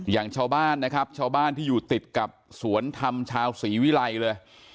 อย่างชาวบ้านนะครับชาวบ้านที่อยู่ติดกับสวนธรรมชาวศรีวิรัยเลย